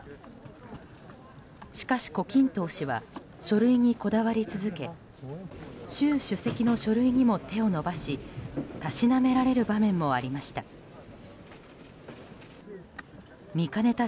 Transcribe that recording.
しかし胡錦涛氏は書類にこだわり続け習主席の書類にも手を伸ばしたしなめられる場面もありました。